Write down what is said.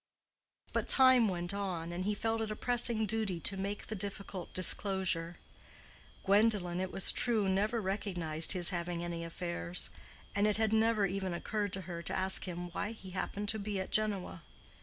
But time went on, and he felt it a pressing duty to make the difficult disclosure. Gwendolen, it was true, never recognized his having any affairs; and it had never even occurred to her to ask him why he happened to be at Genoa.